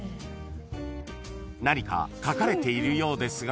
［何かかかれているようですが］